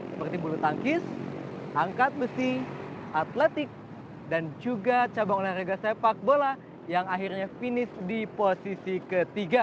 seperti bulu tangkis angkat besi atletik dan juga cabang olahraga sepak bola yang akhirnya finish di posisi ketiga